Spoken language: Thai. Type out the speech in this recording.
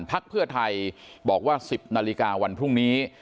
พักเพื่อไทยบอกว่า๑๐นาฬิกาวันพรุ่งนี้